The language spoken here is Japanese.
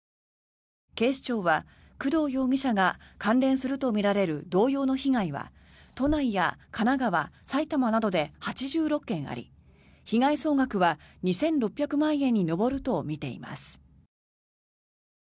警視庁は工藤容疑者が関連するとみられる同様の被害は都内や神奈川、埼玉などで８６件あり被害総額は２６００万円に上るとみています。